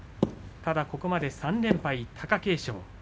ただここまで３連敗の貴景勝。